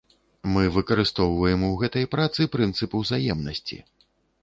Мы выкарыстоўваем у гэтай працы прынцып узаемнасці.